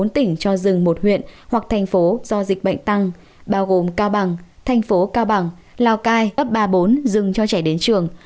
bốn tỉnh cho dừng một huyện hoặc thành phố do dịch bệnh tăng bao gồm cao bằng thành phố cao bằng lào cai ấp ba mươi bốn dừng cho trẻ đến trường